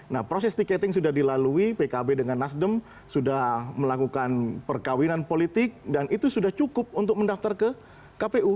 nah proses tiketing sudah dilalui pkb dengan nasdem sudah melakukan perkawinan politik dan itu sudah cukup untuk mendaftar ke kpu